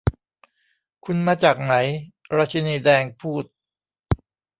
'คุณมาจากไหน' ราชินีแดงพูด